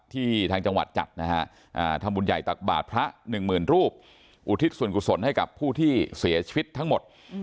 ทางจังหวัดจัดนะฮะทำบุญใหญ่ตักบาทพระ๑๐๐๐รูปอุทิศส่วนกุศลให้กับผู้ที่เสียชีวิตทั้งหมด